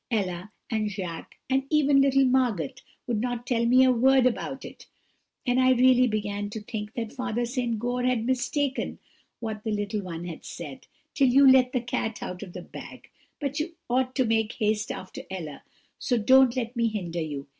Ella and Jacques, and even little Margot, would not tell me a word about it; and I really began to think that Father St. Goar had mistaken what the little one had said, till you let the cat out of the bag. But you ought to make haste after Ella, so don't let me hinder you.'